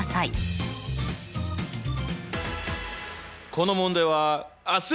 この問題は蒼澄！